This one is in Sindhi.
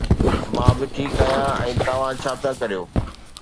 مان به ٺيڪ آهيان. ۽ توهان ڇا پيا ڪريو؟